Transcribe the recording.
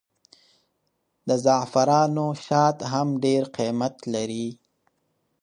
د زعفرانو شات هم ډېر قیمت لري.